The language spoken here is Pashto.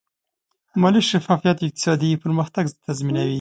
مالي شفافیت اقتصادي پرمختګ تضمینوي.